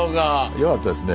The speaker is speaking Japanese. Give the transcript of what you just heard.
よかったですね。